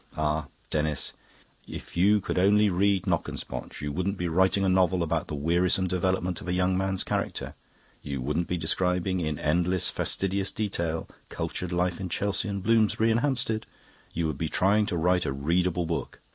Ah, Denis, if you could only read Knockespotch you wouldn't be writing a novel about the wearisome development of a young man's character, you wouldn't be describing in endless, fastidious detail, cultured life in Chelsea and Bloomsbury and Hampstead. You would be trying to write a readable book.